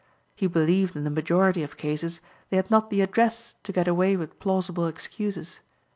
He believed in the majority of cases they had not the address to get away with plausible excuses.